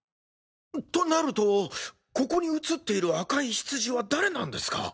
となるとここに映っている赤いヒツジは誰なんですか？